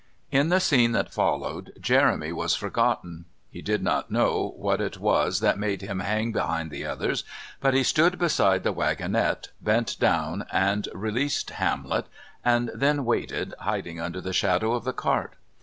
In the scene that followed Jeremy was forgotten. He did not know what it was that made him hang behind the others, but he stood beside the wagonette, bent down and released Hamlet, and then waited, hiding under the shadow of the cart.